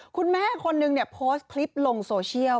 คุณแม่คนนึงเนี่ยโพสต์คลิปลงโซเชียล